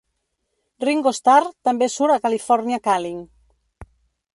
Ringo Starr també surt a "California Calling".